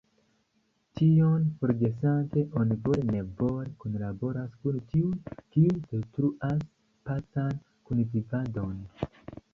Tion forgesante, oni vole-nevole kunlaboras kun tiuj, kiuj detruas pacan kunvivadon.